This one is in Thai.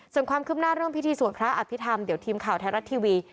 ส่วนความคืบหน้าเรื่องพิธีสวดพระอภิษฐรรมเดี๋ยวทีมข่าวไทยรัฐทีวี